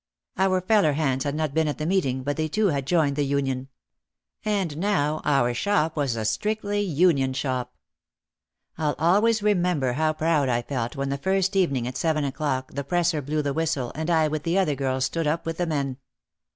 Our feller hands had not been at the meeting but they too had joined the union. And now our shop was a "strictly union shop." I'll always remember how proud I felt when the first evening at seven o'clock the presser blew the whistle and I with the other girls stood up with the men.